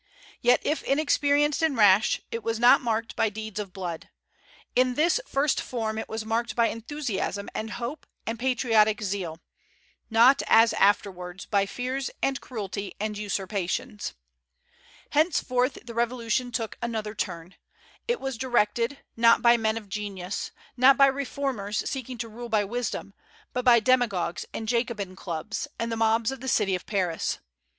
Yet if inexperienced and rash, it was not marked by deeds of blood. In this first form it was marked by enthusiasm and hope and patriotic zeal; not, as afterwards, by fears and cruelty and usurpations. Henceforth, the Revolution took another turn. It was directed, not by men of genius, not by reformers seeking to rule by wisdom, but by demagogues and Jacobin clubs, and the mobs of the city of Paris.